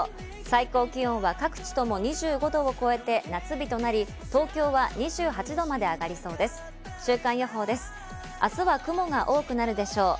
最高気温は各地とも２５度を超えて夏日となり、東京は２８度まで上がりそう